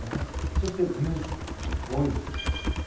そして、ニュース、多いです。